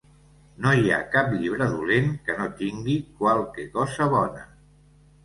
No hi ha cap llibre dolent que no tingui qualque cosa bona.